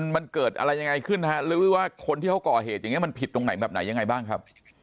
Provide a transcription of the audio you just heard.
มันเกิดอะไรยังไงขึ้นฮะหรือว่าคนที่เขาก่อเหตุอย่างนี้มันผิดตรงไหนแบบไหนยังไงบ้างครับ